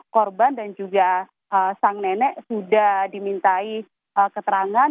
korban dan juga sang nenek sudah dimintai keterangan